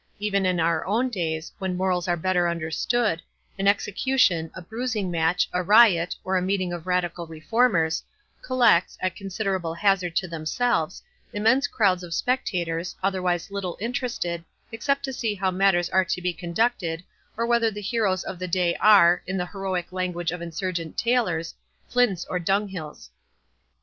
Even in our own days, when morals are better understood, an execution, a bruising match, a riot, or a meeting of radical reformers, collects, at considerable hazard to themselves, immense crowds of spectators, otherwise little interested, except to see how matters are to be conducted, or whether the heroes of the day are, in the heroic language of insurgent tailors, flints or dunghills.